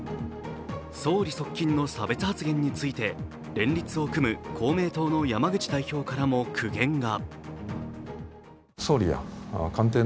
総理側近の差別発言について連立を組む公明党の山口代表からも苦言が。